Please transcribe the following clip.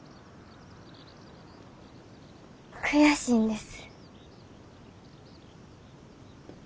悔しいんです。